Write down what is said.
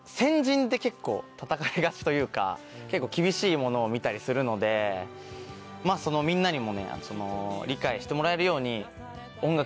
というか結構厳しいものを見たりするのでみんなにも理解してもらえるように。